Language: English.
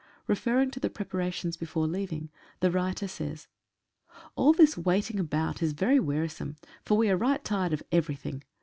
Referring to the preparations before leaving, the writer says :— ALL this waiting about is very wearisome, for we are right tired of everything.